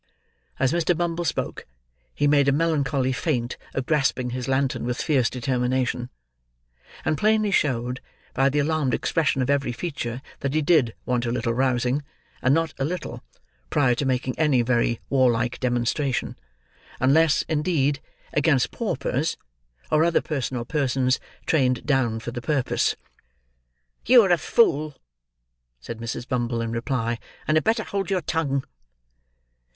As Mr. Bumble spoke, he made a melancholy feint of grasping his lantern with fierce determination; and plainly showed, by the alarmed expression of every feature, that he did want a little rousing, and not a little, prior to making any very warlike demonstration: unless, indeed, against paupers, or other person or persons trained down for the purpose. "You are a fool," said Mrs. Bumble, in reply; "and had better hold your tongue."